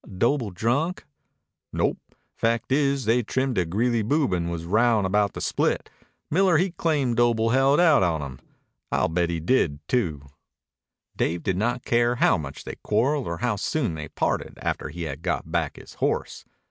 "Doble drunk?" "Nope. Fact is, they'd trimmed a Greeley boob and was rowin' about the split. Miller he claimed Doble held out on him. I'll bet he did too." Dave did not care how much they quarreled or how soon they parted after he had got back his horse.